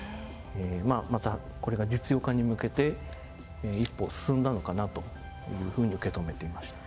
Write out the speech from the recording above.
まあまたこれが実用化に向けて一歩進んだのかなというふうに受け止めていました。